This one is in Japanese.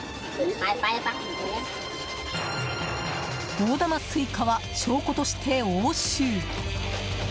大玉スイカは証拠として押収。